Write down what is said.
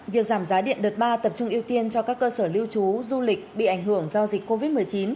việc giảm giá điện đợt ba tập trung ưu tiên cho các cơ sở lưu trú du lịch bị ảnh hưởng do dịch covid một mươi chín